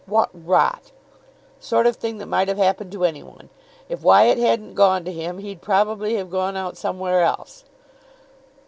What rot! Sort of thing that might have happened to any one. If Wyatt hadn't gone to him, he'd probably have gone out somewhere else."